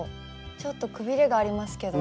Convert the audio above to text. ちょっとくびれがありますけど。